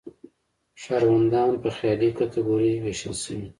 ښاروندان په خیالي کټګوریو ویشل شوي.